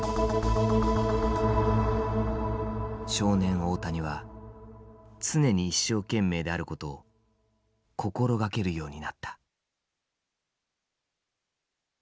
少年大谷は常に一生懸命であることを心掛けるようになった。